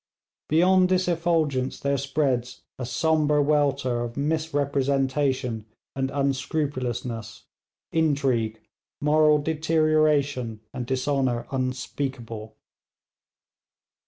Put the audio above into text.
Beyond this effulgence there spreads a sombre welter of misrepresentation and unscrupulousness, intrigue, moral deterioration, and dishonour unspeakable.